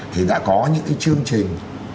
thì đã có những cái chương trình